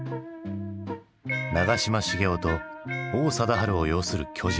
長嶋茂雄と王貞治を擁する巨人。